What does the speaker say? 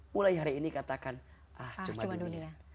mulai hari ini katakan ah cuma ini